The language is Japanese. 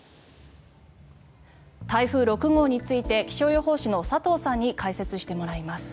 台風６号について気象予報士の佐藤さんに解説してもらいます。